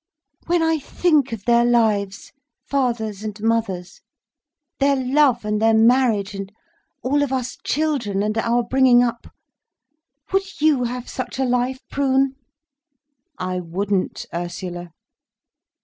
"When I think of their lives—father's and mother's, their love, and their marriage, and all of us children, and our bringing up—would you have such a life, Prune?" "I wouldn't, Ursula."